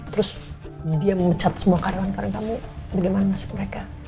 terus dia memecat semua karyawan karya kamu bagaimana nasib mereka